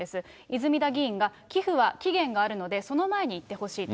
泉田議員が、寄付は期限があるので、その前に言ってほしいと。